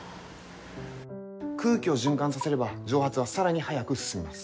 空気を循環させれば蒸発は更に早く進みます。